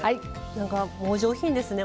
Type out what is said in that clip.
なんかお上品ですね